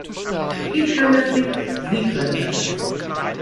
Ich kann das nicht, Sie können das nicht.